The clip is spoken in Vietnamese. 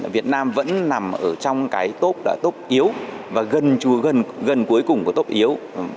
việt nam vẫn nằm trong cái tốp yếu và gần cuối cùng của tốp yếu